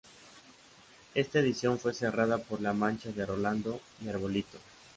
Esta edición fue cerrada por La Mancha de Rolando y Arbolito.